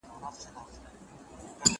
سالم ماشومان سالمه ټولنه جوړوي.